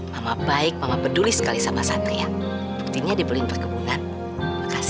makasih ya mak